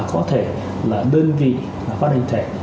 có thể bị phạt hành chính